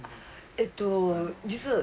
えっと実は。